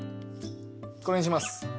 これにします。